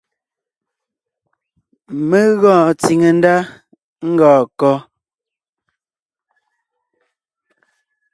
Mé gɔɔn tsìŋe ndá ngɔɔn kɔ́?